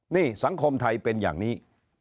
นี่สังคมไทยเป็นอย่างนี้